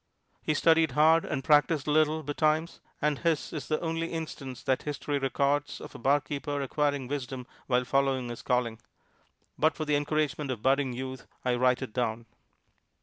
He studied hard and practised a little betimes and his is the only instance that history records of a barkeeper acquiring wisdom while following his calling; but for the encouragement of budding youth I write it down.